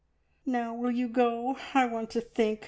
Now will you go? I want to think.